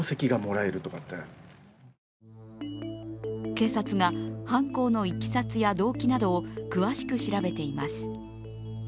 警察が犯行のいきさつや動機などを詳しく調べています。